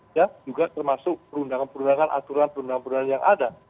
ya juga termasuk perundangan perundangan aturan perundangan perundangan yang ada